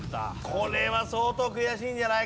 これは相当悔しいんじゃない？